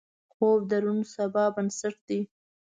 خوب د روڼ سبا بنسټ دی